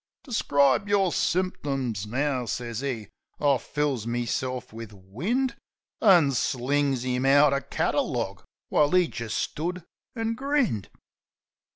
"Discribe yer symtims now," sez 'e. I fills meself wiv wind, An' slung 'im out a catalog while 'e jist stood an' grinned.